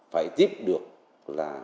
phải tiếp được là